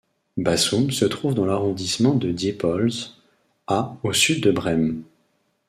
Bassum se trouve dans l’arrondissement de Diepholz, à au sud de Brême.